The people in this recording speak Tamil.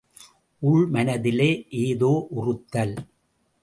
உள்மனத்திலே ஏதோ உறுத்தல்!